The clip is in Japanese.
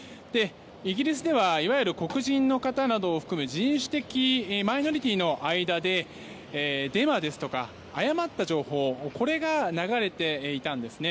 イギリスではいわゆる黒人の方などを含む人種的マイノリティーの間でデマですとか誤った情報が流れていたんですね。